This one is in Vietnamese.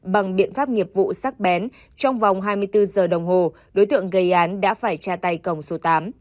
bằng biện pháp nghiệp vụ sắc bén trong vòng hai mươi bốn giờ đồng hồ đối tượng gây án đã phải tra tay còng số tám